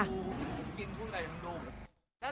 โอ้โฮนะ